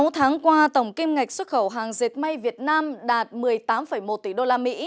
tháng qua tổng kim ngạch xuất khẩu hàng dẹp mây việt nam đạt một mươi tám một tỷ usd